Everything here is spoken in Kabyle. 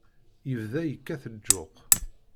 Yebda yekkat lǧuq.